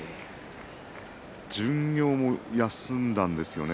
巡業も休んだんですよね。